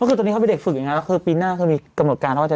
มาเกิดทีนี้เข้าไปเด็กฝึกอย่างนี้ครับหรือปีหน้าเขามีกำหนดการว่าจะ